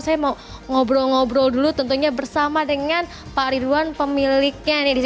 saya mau ngobrol ngobrol dulu tentunya bersama dengan pak ridwan pemiliknya di sini